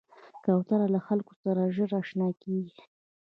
کوتره له خلکو سره ژر اشنا کېږي.